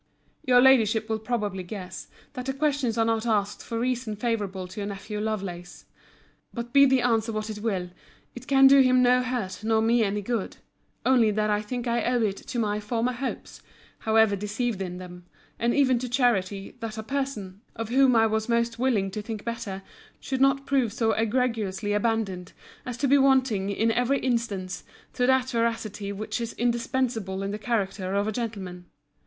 Your Ladyship will probably guess, that the questions are not asked for reasons favourable to your nephew Lovelace. But be the answer what it will, it can do him no hurt, nor me any good; only that I think I owe it to my former hopes, (however deceived in them,) and even to charity, that a person, of whom I was once willing to think better, should not prove so egregiously abandoned, as to be wanting, in every instance, to that veracity which is indispensable in the character of a gentleman.